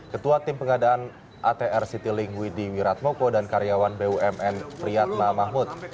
ketua tim pengadaan atr city link widi wiratmoko dan karyawan bumn friat mahmoud